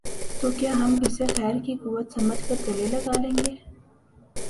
تو کیا ہم اسے خیر کی قوت سمجھ کر گلے لگا لیں گے؟